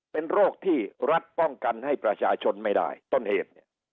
เป็นโรคที่รัฐป้องกันให้ประชาชนไม่ได้ต้นเหตุเนี่ย